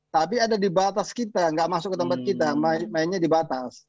tapi ada di batas kita nggak masuk ke tempat kita mainnya di batas